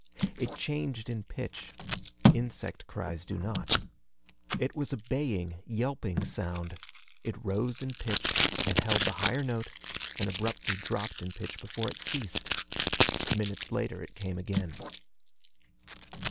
It changed in pitch. Insect cries do not. It was a baying, yelping sound. It rose in pitch, and held the higher note, and abruptly dropped in pitch before it ceased. Minutes later it came again.